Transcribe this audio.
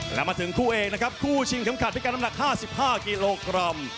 แล้วมาถึงคู่เอกนะครับคู่ชิงเข็มขัดพิการน้ำหนัก๕๕กิโลกรัม